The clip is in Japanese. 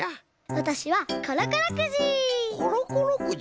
わたしはコロコロくじ！